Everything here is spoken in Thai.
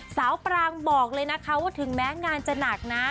ปรางบอกเลยนะคะว่าถึงแม้งานจะหนักนะ